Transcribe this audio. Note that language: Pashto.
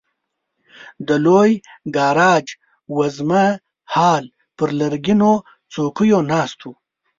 د لوی ګاراج وزمه هال پر لرګینو څوکیو ناست وو.